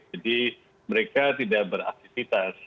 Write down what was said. jadi mereka tidak beraktifitas